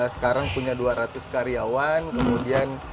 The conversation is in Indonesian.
sekarang punya dua ratus karyawan kemudian